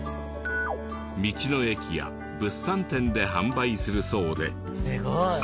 道の駅や物産展で販売するそうで。